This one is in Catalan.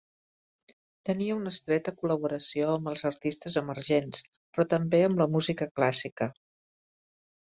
Tenia una estreta col·laboració amb els artistes emergents, però també amb la música clàssica.